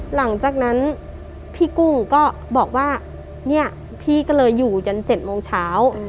หลังจากนั้นพี่กุ้งก็บอกว่าเนี่ยพี่ก็เลยอยู่จน๗โมงเช้า